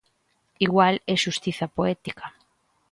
Igual é xustiza poética.